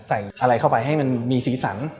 ใส่อะไรเข้าไปให้มันมีสีสัน